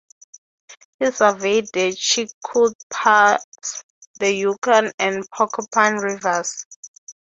He surveyed the Chilkoot Pass, the Yukon and Porcupine rivers.